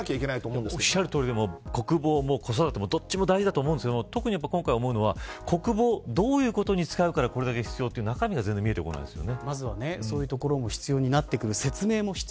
僕は、両方やらないとおっしゃるとおりで、国防も子育てもどっちも大事だと思うんですけど特に今回、大事なのは国防どういうことに使うからこれだけ必要という中身が見えてこないですよね。